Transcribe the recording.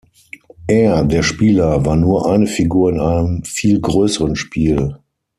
Er, der Spieler, war nur eine Figur in einem viel größeren Spiel.